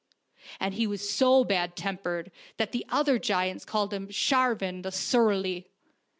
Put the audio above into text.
And he was so bad tempered that the other giants called him Sharvan the Surly.